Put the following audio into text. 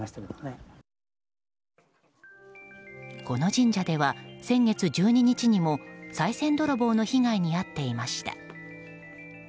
この神社では先月１２日にもさい銭泥棒の被害に遭っていました。